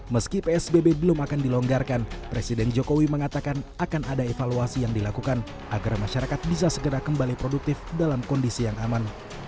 meski psbb belum akan dilonggarkan presiden jokowi mengatakan akan ada evaluasi yang dilakukan agar masyarakat bisa segera kembali produktif dalam kondisi yang aman